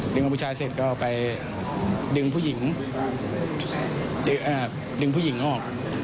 น้องผู้ชายเสร็จก็ไปดึงผู้หญิงดึงผู้หญิงออก